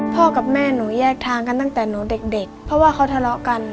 กับแม่หนูแยกทางกันตั้งแต่หนูเด็กเพราะว่าเขาทะเลาะกัน